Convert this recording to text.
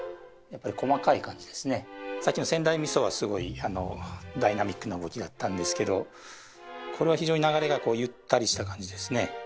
さっきの仙台みそはすごいダイナミックな動きだったんですけどこれは非常に流れがゆったりした感じですね。